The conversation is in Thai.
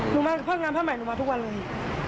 หนูมาภาคงานภาคใหม่หนูมาทุกวันเลย